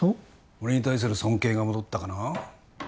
俺に対する尊敬が戻ったかな？